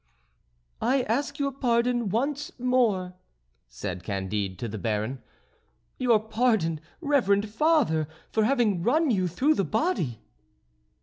"I ask your pardon once more," said Candide to the Baron, "your pardon, reverend father, for having run you through the body."